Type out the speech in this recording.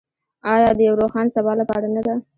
آیا د یو روښانه سبا لپاره نه ده؟